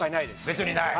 別にない？